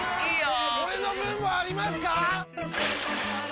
俺の分もありますか！？